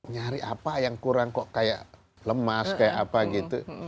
nyari apa yang kurang kok kayak lemas kayak apa gitu